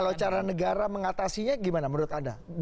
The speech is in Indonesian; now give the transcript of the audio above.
kalau cara negara mengatasinya gimana menurut anda